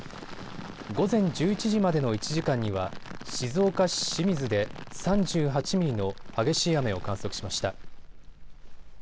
午前１１時までの１時間には静岡市清水で３８ミリの激しい雨を観測しました。